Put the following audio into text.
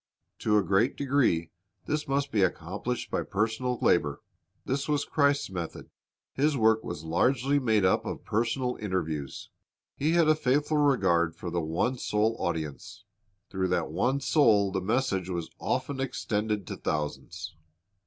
To a great degree this must be accomplished by personal labor. This was Christ's method. His work was largely made up of personal interviews. He had a faithful regard for the one soul audience. Through that one soul the message was often extended to thousands.